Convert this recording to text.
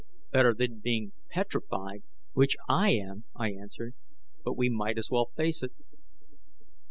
"Better than being petrified, which I am," I answered. "But we might as well face it."